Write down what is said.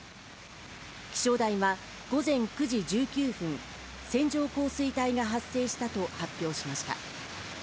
気象台は午前９時１９分線状降水帯が発生したと発表しました。